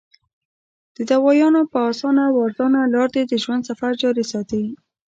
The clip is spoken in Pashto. د دوايانو پۀ اسانه او ارزانه لار دې د ژوند سفر جاري ساتي -